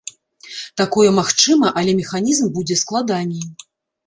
Такое магчыма, але механізм будзе складаней.